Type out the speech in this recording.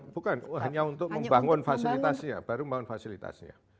bukan hanya untuk membangun fasilitasnya baru membangun fasilitasnya